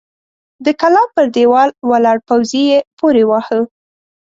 د کلا پر دېوال ولاړ پوځي يې پورې واهه!